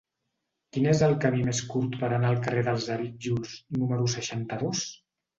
Quin és el camí més curt per anar al carrer dels Arítjols número seixanta-dos?